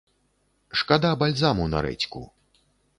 Шкада бальзаму на рэдзьку!